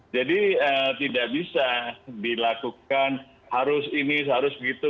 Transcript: jadi tidak bisa dilakukan harus ini harus begitu